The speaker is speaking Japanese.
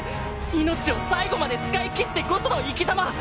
命を最後まで使いきってこその生きざま！